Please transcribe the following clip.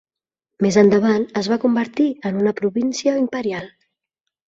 Més endavant es va convertir en un província imperial.